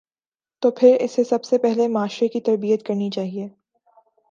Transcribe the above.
تو پھر اسے سب سے پہلے معاشرے کی تربیت کرنی چاہیے۔